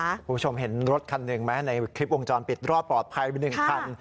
คุณผู้ชมเห็นรถคันหนึ่งไหมในคลิปวงจรปิดรอดปลอดภัยไป๑คัน